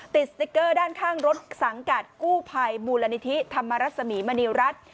สติ๊กเกอร์ด้านข้างรถสังกัดกู้ภัยมูลนิธิธรรมรสมีมณีรัฐ